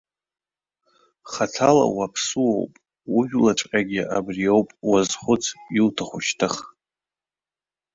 Хаҭала уаԥсуоуп, ужәлаҵәҟьагьы абри ауп, уазхәыц, иуҭаху шьҭых.